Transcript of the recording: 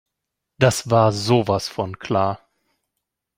Das war sowas von klar.